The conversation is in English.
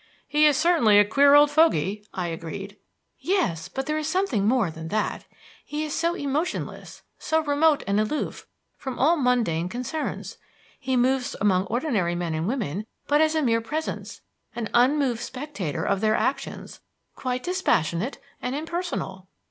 "He is certainly a queer old fogey," I agreed. "Yes, but there is something more than that. He is so emotionless, so remote and aloof from all mundane concerns. He moves among ordinary men and women, but as a mere presence, an unmoved spectator of their actions, quite dispassionate and impersonal."